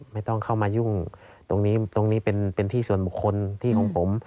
ไม่ต้องเข้ามายุ่งตรงนี้ตรงนี้เป็นที่ส่วนบุคคลที่ของผม